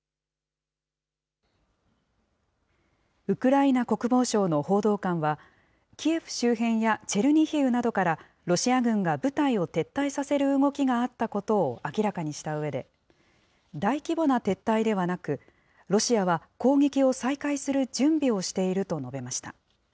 ウクライナ国防省の報道官は、キエフ周辺やチェルニヒウなどから、ロシア軍が部隊を撤退させる動きがあったことを明らかにしたうえで、大規模な撤退ではなく、ロシアは攻撃を再開する準備をしていると述べました。